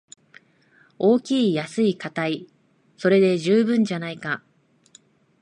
大きい安いかたい、それで十分じゃないか